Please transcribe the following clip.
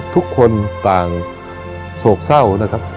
ทุกคนต่างโศกเศร้านะครับ